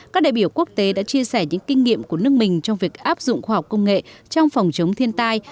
các đại biểu quốc tế đã chia sẻ những kinh nghiệm của nước mình trong việc áp dụng khoa học công nghệ trong phòng chống thiên tai